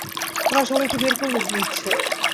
তারা সবাইকে বের করে নিচ্ছে।